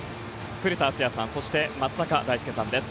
古田敦也さんそして松坂大輔さんです。